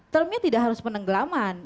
termnya tidak harus penenggelaman